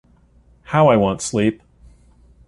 How I want sleep!